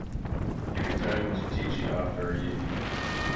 He returned to teaching after a year.